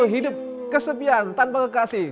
hidup kesepian tanpa kekasih